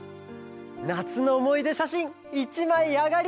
なつのおもいでしゃしん１まいあがり！